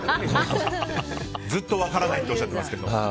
ずっと分からないっておっしゃってますけど。